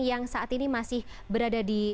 yang saat ini masih berada di